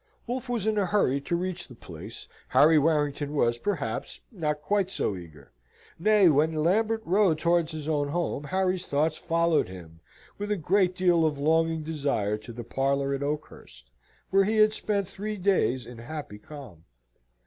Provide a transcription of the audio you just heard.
Wolfe was in a hurry to reach the place, Harry Warrington was, perhaps, not quite so eager: nay, when Lambert rode towards his own home, Harry's thoughts followed him with a great deal of longing desire to the parlour at Oakhurst, where he had spent three days in happy calm.